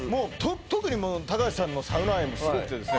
特に高橋さんのサウナ愛もすごくてですね